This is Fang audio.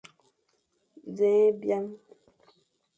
Nẑen ébyen.